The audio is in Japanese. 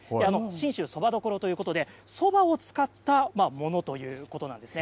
信州そばどころということでそばを使ったものということなんですね。